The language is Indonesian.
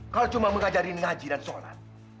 kau cuma mengajari ngaji dan sholat